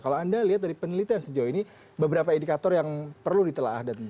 kalau anda lihat dari penelitian sejauh ini beberapa indikator yang perlu ditelah